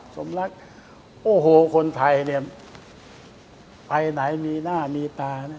ส่วนภักดิ์คนไทยไปไหนมีหน้ามีตา